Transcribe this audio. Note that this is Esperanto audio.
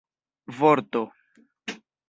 vorto